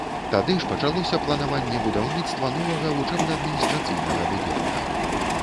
Тады ж пачалося планаванне будаўніцтва новага вучэбна-адміністрацыйнага будынка.